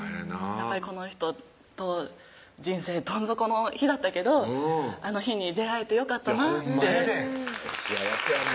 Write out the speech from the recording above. やっぱりこの人と人生どん底の日だったけどあの日に出会えてよかったなってほんまやで幸せやね